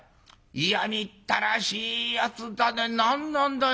嫌みったらしいやつだね何なんだよあいつは。